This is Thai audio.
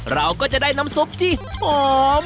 เราก็จะได้น้ำซุปที่หอม